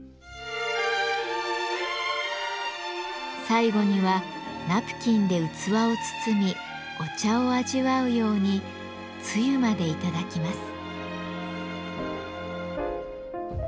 最後にはナプキンで器を包みお茶を味わうようにつゆまでいただきます。